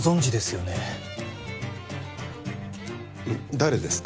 誰ですか？